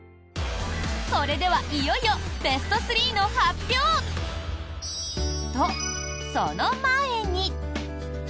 それでは、いよいよベスト３の発表！と、その前に。